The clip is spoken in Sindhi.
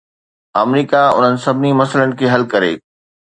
آمريڪا انهن سڀني مسئلن کي حل ڪري